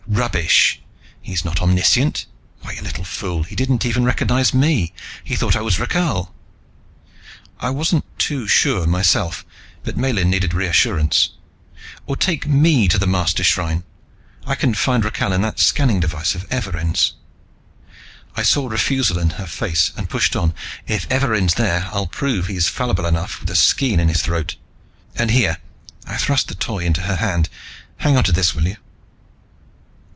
"Rubbish! He's not omniscient! Why, you little fool, he didn't even recognize me. He thought I was Rakhal!" I wasn't too sure, myself, but Miellyn needed reassurance. "Or take me to the Mastershrine. I can find Rakhal in that scanning device of Evarin's." I saw refusal in her face and pushed on, "If Evarin's there, I'll prove he's fallible enough with a skean in his throat! And here" I thrust the Toy into her hand "hang on to this, will you?"